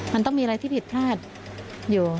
มันต้องมีอะไรที่ผิดพลาดอยู่